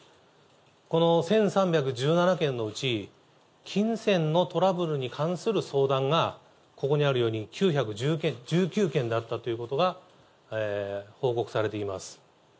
この１３１７件のうち、金銭のトラブルに関する相談が、ここにあるように９１９件だったということが報告されています。